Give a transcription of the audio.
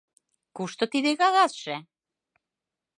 — Кушто тиде кагазше?